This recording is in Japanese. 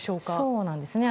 そうなんですね。